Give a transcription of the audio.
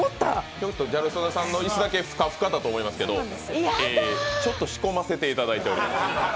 今日はギャル曽根さんの椅子だけふかふかだと思いますけどちょっと仕込ませていただいております。